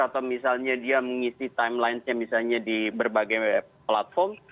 atau misalnya dia mengisi timelinesnya misalnya di berbagai platform